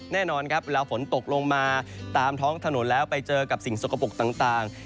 แน่นอนครับเวลาฝนตกลงมาตามท้องถนนแล้วไปเจอกับสิ่งสกปรกต่าง